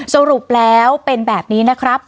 สรุปแล้วเป็นแบบนี้นะครับ